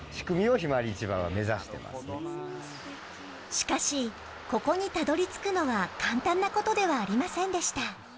しかしここにたどり着くのは簡単な事ではありませんでした。